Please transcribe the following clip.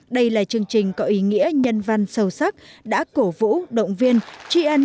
đây là chương trình có ý nghĩa nhân văn sâu sắc đã cổ vũ động viên